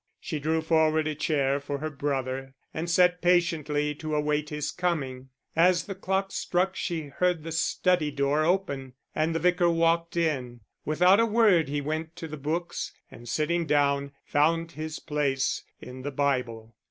She drew forward a chair for her brother, and sat patiently to await his coming. As the clock struck she heard the study door open, and the Vicar walked in. Without a word he went to the books, and sitting down, found his place in the Bible.